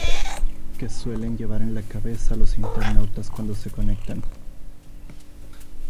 que suelen llevar en la cabeza los internautas cuando se conectan